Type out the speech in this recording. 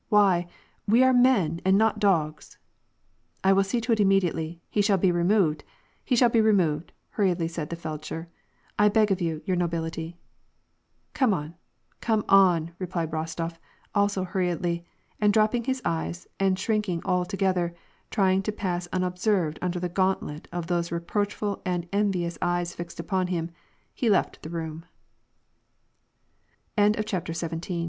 Why ! we are men, and not dogs." " I will see to it immediately, he shall be removed, he shall be removed," hurriedly said the feldsher. " I beg of you, your nobility "— "Come on, come on," replied Rostof, also hurriedly, and dropping his eyes and shrinking all together, trying to pass unobserved under the gauntlet of those reproachful and en viou